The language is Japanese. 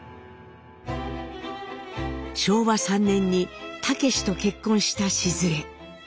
昭和３年に武と結婚したシズエ。